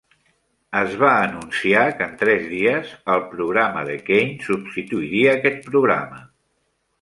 És va anunciar que, en tres dies, el programa de Kane substituiria aquest programa.